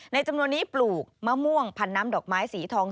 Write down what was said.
จำนวนนี้ปลูกมะม่วงพันน้ำดอกไม้สีทอง